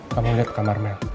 kamu lihat kamar mel